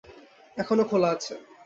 এখনও খোলা আছে।